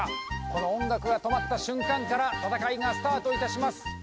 この音楽が止まった瞬間から戦いがスタートいたします